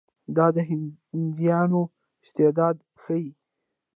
دا د هندیانو استعداد ښيي.